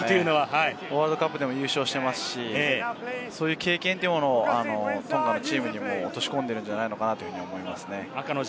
ワールドカップでも優勝してますし、そういう経験というものをトンガのチームにも落とし込んでるんじゃないかなと思いますね。